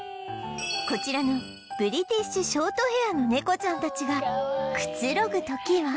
こちらのブリティッシュショートヘアのネコちゃんたちがくつろぐ時は